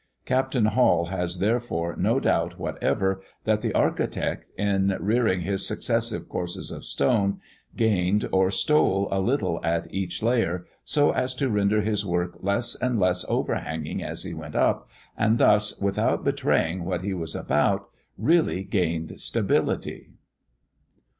Captain Hall has, therefore, no doubt whatever that the architect, in rearing his successive courses of stones, gained or stole a little at each layer, so as to render his work less and less overhanging as he went up; and thus, without betraying what he was about, really gained stability.